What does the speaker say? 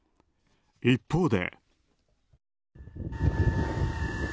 一方で。